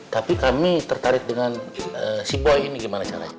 tapi kami tertarik dengan si boy ini gimana caranya